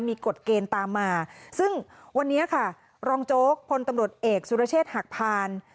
มีกฎเกณฑ์ตามมาซึ่งวันนี้ค่ะรองโจ๊กพลตำรวจเอกสุรเชษฐ์หักพาน